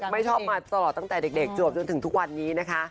ไม่ชอบมาตลอดตั้งแต่เด็กจวบจนถึงทุกวันนี้นะคะ